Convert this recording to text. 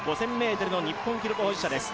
５０００ｍの日本記録保持者です。